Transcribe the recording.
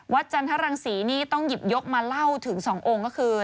จันทรังศรีนี่ต้องหยิบยกมาเล่าถึงสององค์ก็คือ